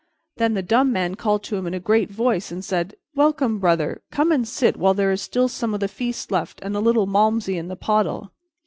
Then the dumb man called to him in a great voice and said, "Welcome, brother; come and sit while there is still some of the feast left and a little Malmsey in the pottle."